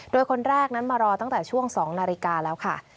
โดยคนแรกนั้นมารอตั้งแต่ช่วง๒นาฬิกาแล้วค่ะ